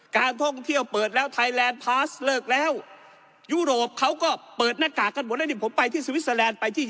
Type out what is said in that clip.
คิดอะไรไม่ออกก็แจก